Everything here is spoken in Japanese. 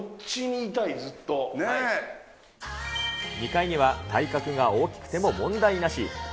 ２階には体格が大きくても問題なし。